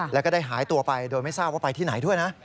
แล้วก็ได้หายตัวไปโดยไม่ทราบว่าไปที่ไหนด้วยนะ